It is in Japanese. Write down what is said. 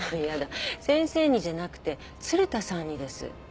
やだ先生にじゃなくて鶴田さんにです。